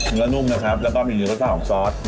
เนื้อนุ่มนะครับแล้วก็มีเนื้อของซอส